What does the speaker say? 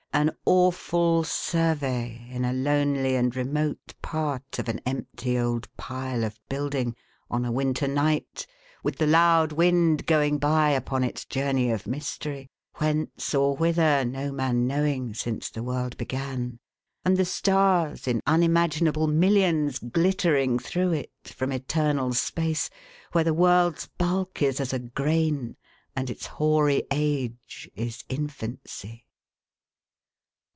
An awful survey, in a lonely and remote part of an empty old pile of building, on a winter night, with the loud wind going by upon its journey of mystery — whence, or whither, no man knowing since the world began — and the stars, in unimagin able millions, glittering through it, from eternal space, where the world's bulk is as a grain, and its hoary age is infancy.